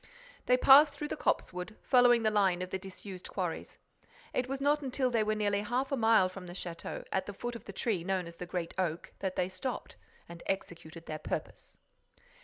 They passed through the copsewood, following the line of the disused quarries. It was not until they were nearly half a mile from the château, at the foot of the tree known as the Great Oak, that they stopped—and executed their purpose."